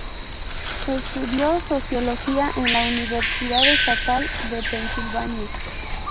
Estudió Sociología en la Universidad Estatal de Pensilvania.